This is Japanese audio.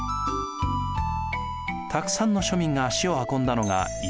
たくさんの庶民が足を運んだのが寄席です。